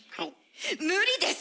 無理です！